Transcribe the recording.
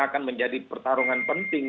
akan menjadi pertarungan penting